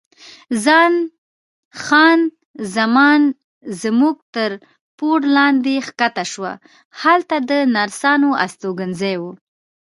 خان زمان زموږ تر پوړ لاندې کښته شوه، هلته د نرسانو استوګنځای و.